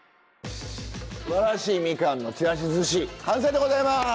すばらしいみかんのちらしずし完成でございます。